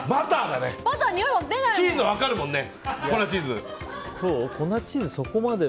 チーズは分かるもんね。